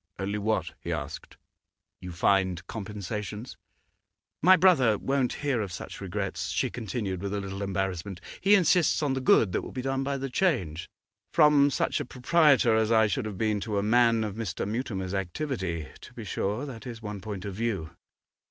'Only what?' he asked. 'You find compensations?' 'My brother won't hear of such regrets,' she continued with a little embarrassment 'He insists on the good that will be done by the change.' 'From such a proprietor as I should have been to a man of Mr. Mutimer's activity. To be sure, that is one point of view.